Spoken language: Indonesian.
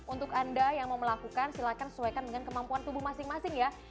untuk anda yang mau melakukan silakan sesuaikan dengan kemampuan tubuh masing masing ya